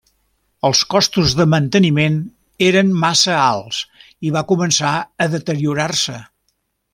Els costos de manteniment eren massa alts i va començar a deteriorar-se.